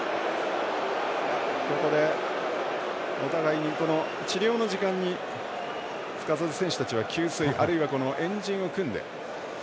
ここで、お互いに治療の時間にすかさず選手たちは給水あるいは円陣を組んで。